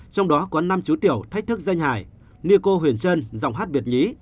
trong đó có năm chú tiểu thách thức danh hải niaco huyền trân giọng hát việt nhí